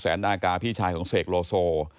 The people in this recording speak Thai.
นากาพี่ชายของเสกโลโซ